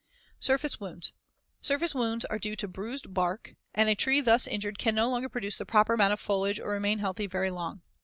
Surface wounds: Surface wounds (Fig. 116) are due to bruised bark, and a tree thus injured can no longer produce the proper amount of foliage or remain healthy very long.